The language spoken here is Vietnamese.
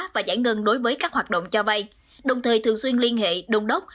và giải ngân đối với các hoạt động cho vay đồng thời thường xuyên liên hệ đồng đốc